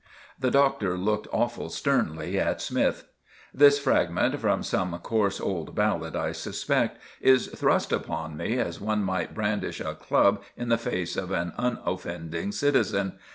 '" The Doctor looked awful sternly at Smythe. "This fragment—from some coarse old ballad, I suspect—is thrust upon me, as one might brandish a club in the face of an unoffending citizen.